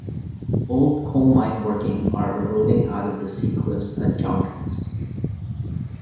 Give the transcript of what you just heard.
Old coal mine working are eroding out of the sea-cliffs at Joggins.